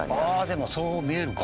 でもそう見えるか。